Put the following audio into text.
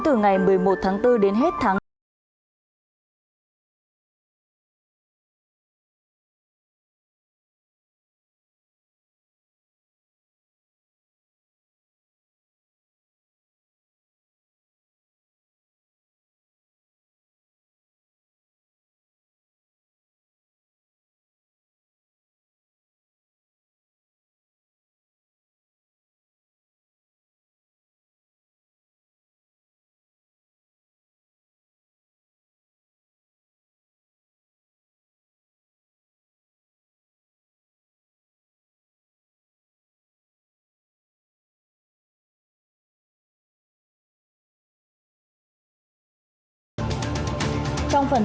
từ ngày một mươi một tháng bốn đến hết tháng